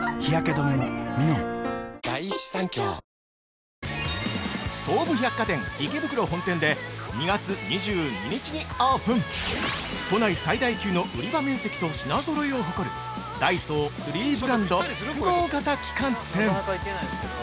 止まらない物欲に執事の水田も◆東武百貨店池袋本店で２月２２日にオープン、都内最大級の売り場面積と品揃えを誇るダイソー３ブランド複合型旗艦店。